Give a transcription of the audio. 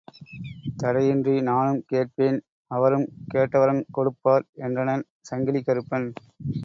தடையின்றி நானுங் கேட்பேன் அவருங் கேட்டவரங் கொடுப்பார் என்றனன் சங்கிலிக் கறுப்பன்.